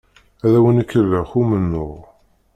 Ad awen-ikellex umennuɣ.